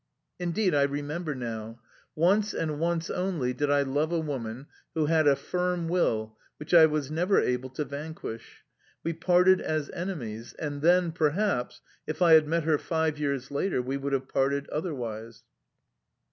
Indeed, I remember now. Once and once only did I love a woman who had a firm will which I was never able to vanquish... We parted as enemies and then, perhaps, if I had met her five years later we would have parted otherwise...